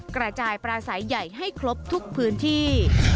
กระจายปลาสายใหญ่ให้ครบทุกพื้นที่